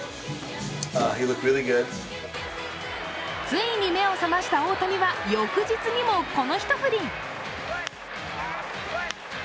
ついに目を覚ました大谷は翌日にも、この一振り。